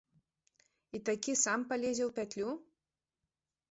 І такі сам палезе ў пятлю?